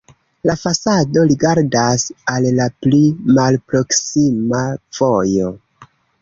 La fasado rigardas al la pli malproksima vojo.